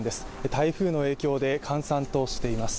台風の影響で閑散としています。